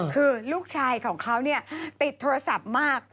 คือลูกชายของเขาติดโทรศัพท์มาก